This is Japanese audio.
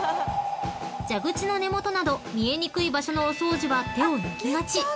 ［蛇口の根元など見えにくい場所のお掃除は手を抜きがち］